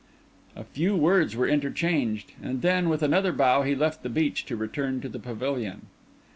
A few words were interchanged; and then, with another bow, he left the beach to return to the pavilion.